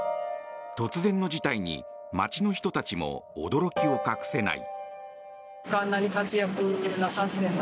突然の事態に街の人たちも驚きを隠せない。